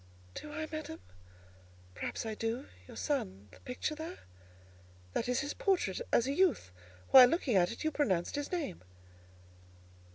"Do, I, madam? Perhaps I do. Your son—the picture there?" "That is his portrait as a youth. While looking at it, you pronounced his name."